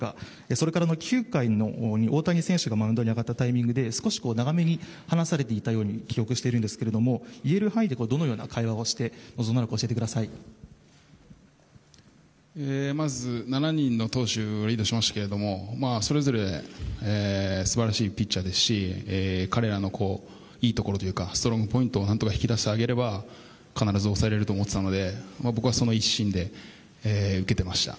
それから９回に大谷選手がマウンドに上がったタイミングで少し長めに話されていたように記憶しているんですけど言える範囲でどのような会話をして臨んだのかまず、７人の投手でリレーしましたけどそれぞれ素晴らしいピッチャーですし彼らのいいところというかストロングポイントを何とか引き出してあげれば必ず抑えられると思っていたので僕はその一心で受けていました。